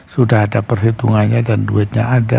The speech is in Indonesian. sudah ada perhitungannya dan duitnya ada